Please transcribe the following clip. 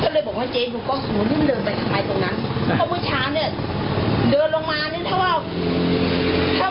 ก็เลยบอกว่าเจ๊ดูกล้องสนุนมันเดินไปทางไหนตรงนั้น